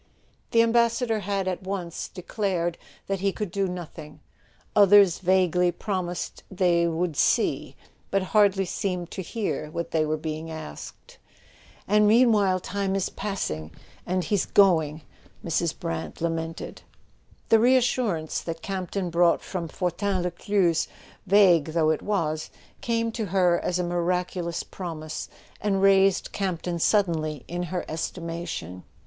The Ambassador had at once declared that he could do nothing; others vaguely promised they "would see"—but hardly seemed to hear what they were being asked. [ 85 ] A SON AT THE FRONT "And meanwhile time is passing—and he's going!" Mrs. Brant lamented. The reassurance that Campton brought from Fortin Lescluze, vague though it was, came to her as a miracu¬ lous promise, and raised Campton suddenly in her estimation.